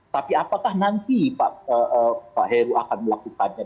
tapi apakah nanti pak heru akan melakukannya